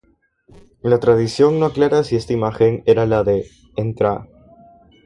La tradición no aclara si esta imagen era la de Ntra.